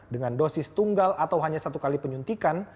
dengan dosis tunggal atau hanya satu kali penyuntikan